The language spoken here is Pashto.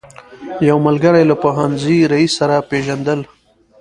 یو ملګري له پوهنې رئیس سره پېژندل.